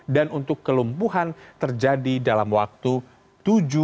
dan untuk kelumpuhan terjadi dalam waktu tujuh saat